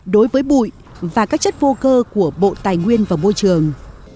đối với bụi và các chất vô cơ của bộ tài nguyên và môi trường